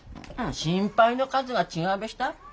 心配の数が違うべした。